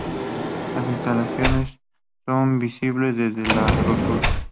Las instalaciones son visibles desde la ruta.